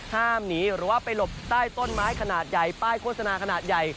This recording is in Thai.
ห้ามหนีหรือว่าไปหลบใต้ต้นไม้ขนาดใหญ่ป้ายโฆษณาขนาดใหญ่